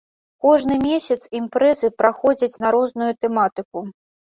Кожны месяц імпрэзы праходзяць на розную тэматыку.